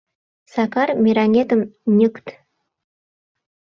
Сакар, мераҥетым ньыкт...